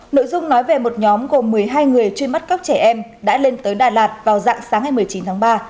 nội dung nói về một nhóm gồm một mươi hai người truy bắt cóc trẻ em đã lên tới đà lạt vào dạng sáng ngày một mươi chín tháng ba